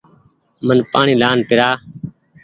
من پآڻيٚ لآن پيرآن